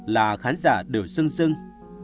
là khán giả đều sưng sưng